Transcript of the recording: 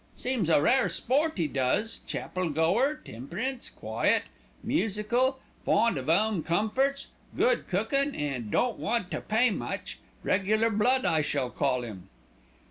Seems a rare sport 'e does, chapel goer, temperance, quiet, musical, fond of 'ome comforts, good cookin'; an' don't want to pay much; regular blood I should call 'im."